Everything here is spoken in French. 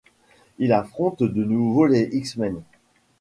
Ils affrontent de nouveau les X-Men.